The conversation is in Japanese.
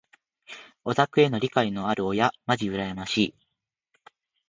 オタクへの理解のある親まじ羨ましい。